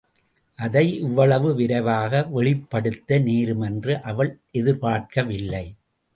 அதை இவ்வளவு விரைவாக வெளிப்படுத்த நேருமென்று அவள் எதிர்பார்க்கவில்லை.